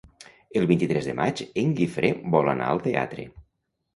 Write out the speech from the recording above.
El vint-i-tres de maig en Guifré vol anar al teatre.